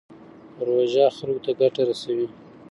پروژه خلکو ته ګټه رسوي.